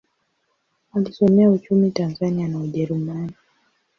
Alisomea uchumi Tanzania na Ujerumani.